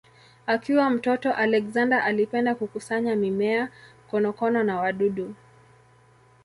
Akiwa mtoto Alexander alipenda kukusanya mimea, konokono na wadudu.